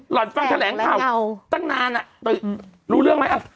หล่อนฟังแถลงข่าวตั้งนานรู้เรื่องไหมครับ